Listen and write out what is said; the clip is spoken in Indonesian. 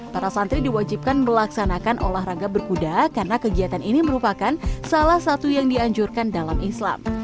para santri diwajibkan melaksanakan olahraga berkuda karena kegiatan ini merupakan salah satu yang dianjurkan dalam islam